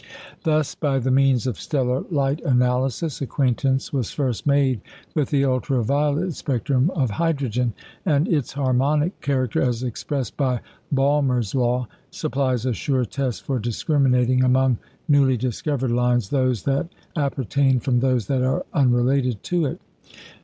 Thus, by the means of stellar light analysis, acquaintance was first made with the ultra violet spectrum of hydrogen; and its harmonic character, as expressed by "Balmer's Law," supplies a sure test for discriminating, among newly discovered lines, those that appertain from those that are unrelated to it.